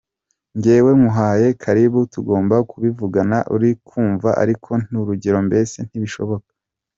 Njyewe nkuhaye karibu tugomba kubivugana uri kumva ariko nyir’urugo mbese ntibishoboka.